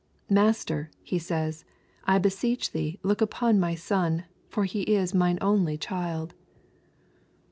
"Master," he says, "I beseech Thee look apon my son : for he is mine only child."